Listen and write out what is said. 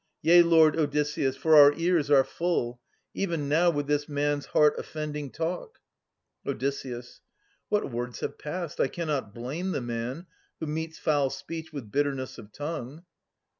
Yea, Lord Odysseus, for our ears are full, Even now, with this man's heart oflFending talk. Od. What words have passed? I cannot blame the man Who meets foul speech with bitterness of tongue.